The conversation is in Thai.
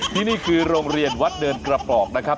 ที่นี่คือโรงเรียนวัดเดินกระปอกนะครับ